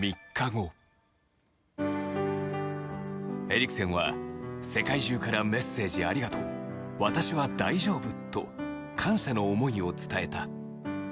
エリクセンは「世界中からメッセージありがとう」「私は大丈夫！」と感謝の思いを伝えた。